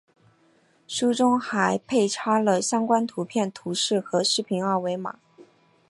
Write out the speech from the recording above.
书中还配插了相关图片、图示和视频二维码